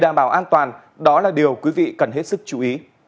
đảm bảo an toàn đó là điều quý vị cần hết sức chú ý